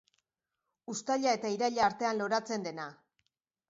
Uztaila eta iraila artean loratzen dena.